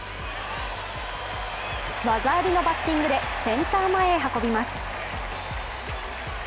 技ありのバッティングでセンター前へ運びます。